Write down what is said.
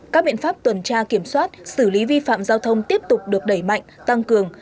các biện pháp tuần tra kiểm soát xử lý vi phạm giao thông tiếp tục được đẩy mạnh tăng cường